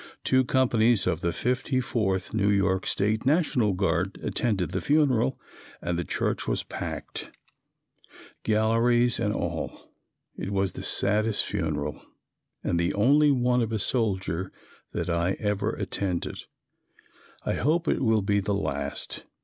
Two companies of the 54th New York State National Guard attended the funeral, and the church was packed, galleries and all. It was the saddest funeral and the only one of a soldier that I ever attended. I hope it will be the last.